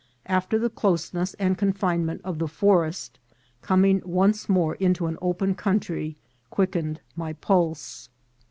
After the closeness and confine ment of the forest, coming once more into an open country quickened every pulse.